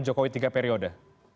jokowi tiga periode